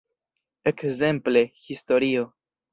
Ekzemple, historio.